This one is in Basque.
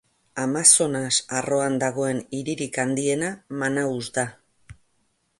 Amazonas arroan dagoen hiririk handiena Manaus da.